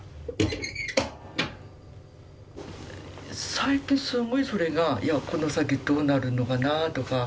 最近すごくそれが「この先どうなるのかな」とか。